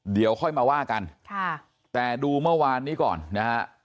เดี๋ยวค่อยมาว่ากันค่ะแต่ดูเมื่อวานนี้ก่อนนะฮะ